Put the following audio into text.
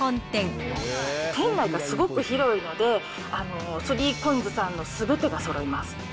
店内がすごく広いので、３コインズさんのすべてがそろいます。